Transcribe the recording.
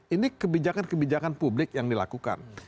ini kebijakan kebijakan publik yang dilakukan